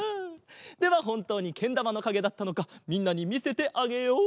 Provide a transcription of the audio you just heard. ではほんとうにけんだまのかげだったのかみんなにみせてあげよう。